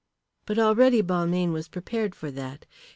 But already Balmayne was prepared for that.